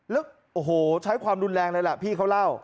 แล้วโอ้โหใช้ความรุนแรงเลยแหละพี่เขาเล่า